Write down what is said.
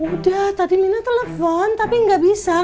udah tadi mina telepon tapi nggak bisa